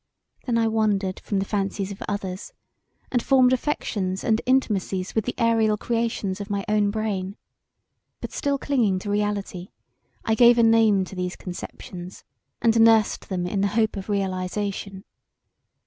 Then I wandered from the fancies of others and formed affections and intimacies with the aerial creations of my own brain but still clinging to reality I gave a name to these conceptions and nursed them in the hope of realization.